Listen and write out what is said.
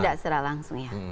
tidak secara langsung ya